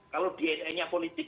kalau dna nya politik